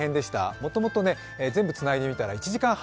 もともとね、全部つないでみたら、１時間半。